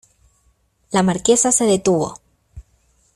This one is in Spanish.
la Marquesa se detuvo.